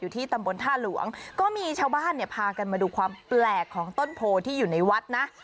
ที่ตำบลท่าหลวงก็มีชาวบ้านเนี่ยพากันมาดูความแปลกของต้นโพที่อยู่ในวัดนะ